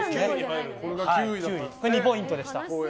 ９位で２ポイントでした。